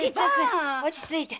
はい落ち着いて。